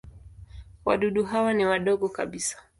Wadudu hawa ni wadogo kabisa.